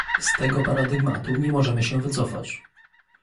Z tego paradygmatu nie możemy się wycofać